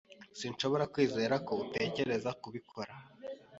Sinshobora kwizera ko utekereza kubikora.